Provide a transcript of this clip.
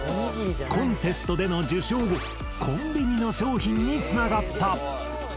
コンテストでの受賞後コンビニの商品につながった。